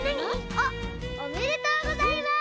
あっおめでとうございます！